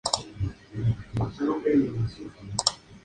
Se trataba de la "Sala de Guardia" que custodiaba los tres pasadizos.